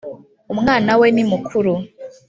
umwana we ni mukuru